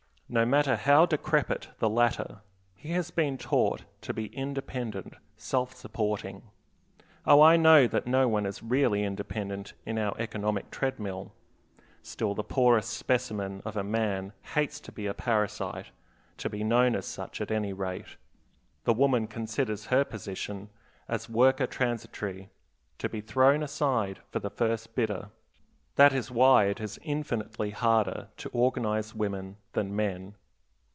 No matter how decrepit the latter, he has been taught to be independent, self supporting. Oh, I know that no one is really independent in our economic treadmill; still, the poorest specimen of a man hates to be a parasite; to be known as such, at any rate. The woman considers her position as worker transitory, to be thrown aside for the first bidder. That is why it is infinitely harder to organize women than men.